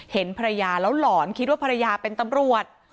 เห็นภรรยาแล้วหลอนคิดว่าภรรยาเป็นตำรวจ